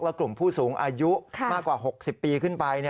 และกลุ่มผู้สูงอายุมากกว่า๖๐ปีขึ้นไป